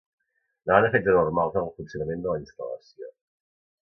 Davant de fets anormals en el funcionament de la instal·lació